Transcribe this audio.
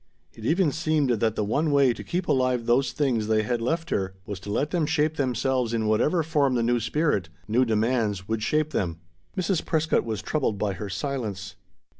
It even seemed that the one way to keep alive those things they had left her was to let them shape themselves in whatever form the new spirit new demands would shape them. Mrs. Prescott was troubled by her silence.